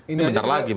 ini bentar lagi